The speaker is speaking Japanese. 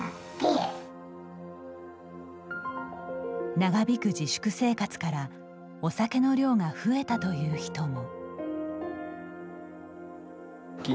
長引く自粛生活からお酒の量が増えたという人も。